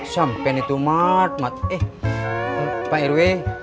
sampain itu mat mat eh pak rw